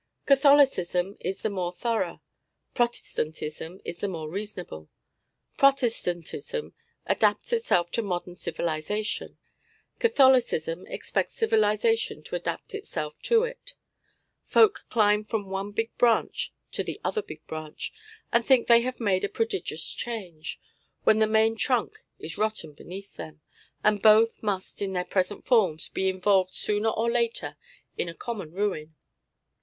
Catholicism is the more thorough. Protestantism is the more reasonable. Protestantism adapts itself to modern civilisation. Catholicism expects civilisation to adapt itself to it. Folk climb from the one big branch to the other big branch, and think they have made a prodigious change, when the main trunk is rotten beneath them, and both must in their present forms be involved sooner or later in a common ruin.